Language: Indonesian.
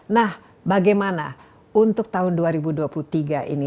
nah bagaimana untuk tahun dua ribu dua puluh tiga ini